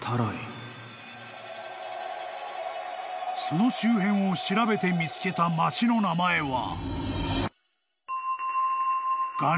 ［その周辺を調べて見つけた町の名前は］